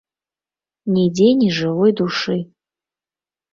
Нідзе ні жывой душы.